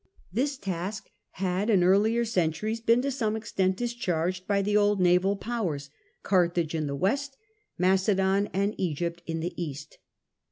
This task had in earlier centuries been to some extent dis charged by the old naval powers — Carthage in the west, Macedon and Egypt in the east.